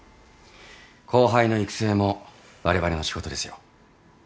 後輩の育成もわれわれの仕事ですよ。